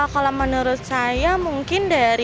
kalau menurut saya mungkin dari